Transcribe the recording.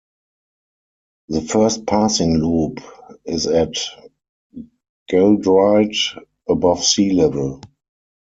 The first passing loop is at Geldried, above sea level.